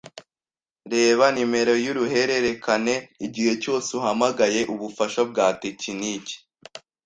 Reba nimero yuruhererekane igihe cyose uhamagaye ubufasha bwa tekiniki.